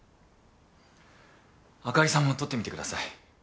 朱莉さんも撮ってみてください。